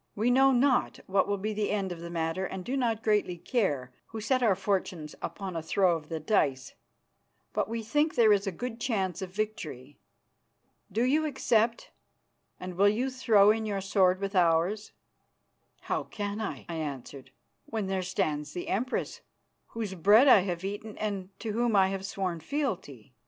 We know not what will be the end of the matter and do not greatly care, who set our fortunes upon a throw of the dice, but we think there is a good chance of victory. Do you accept, and will you throw in your sword with ours?" "How can I," I answered, "when there stands the Empress, whose bread I have eaten and to whom I have sworn fealty?"